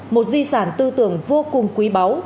một di sản tư tưởng vô cùng quý báu